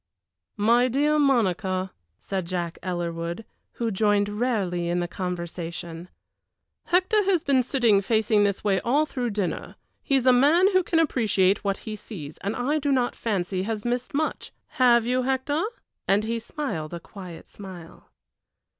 "My dear Monica," said Jack Ellerwood, who joined rarely in the conversation, "Hector has been sitting facing this way all through dinner. He is a man who can appreciate what he sees, and I do not fancy has missed much have you, Hector?" and he smiled a quiet smile.